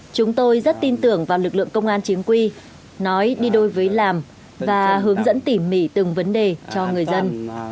chúng tôi rất tin tưởng vào lực lượng công an chính quy nói đi đôi với làm và hướng dẫn tỉ mỉ từng vấn đề cho người dân